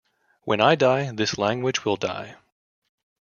When I die, this language will die.